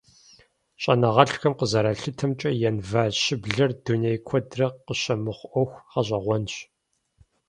ЩӀэныгъэлӀхэм къызэралъытэмкӀэ, январь щыблэр дунейм куэдрэ къыщымыхъу Ӏуэху гъэщӀэгъуэнщ.